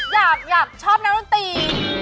อยากอยากชอบนักรุ่นตี